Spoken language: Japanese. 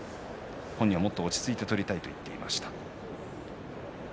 本人はもっと落ち着いて取りたいと言っていました。